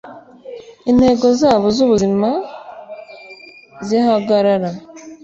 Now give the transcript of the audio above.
Intego zabo zubuzimz zigahagarara.